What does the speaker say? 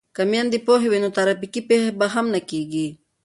که میندې پوهې وي نو ترافیکي پیښې به نه کیږي.